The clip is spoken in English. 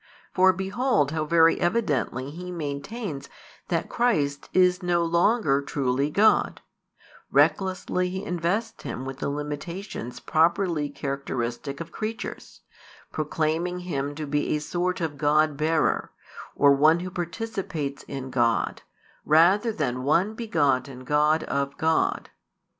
For behold how very evidently he maintains that Christ is no longer truly God: recklessly He invests Him with the limitations properly characteristic of creatures, proclaiming Him to be a sort of God bearer, or one who participates in God, rather than One begotten God of God.